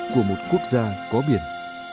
của một quốc gia có biển